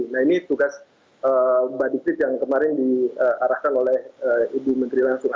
nah ini tugas mbak dikrip yang kemarin diarahkan oleh ibu menteri langsung